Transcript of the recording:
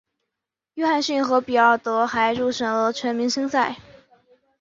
约翰逊和比尔德还入选了全明星赛。